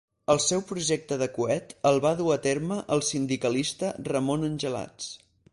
El segon projecte de coet el va dur a terme el sindicalista Ramon Angelats.